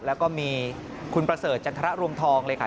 แล้วก็มีคุณประเสริฐจันทรรวงทองเลยค่ะ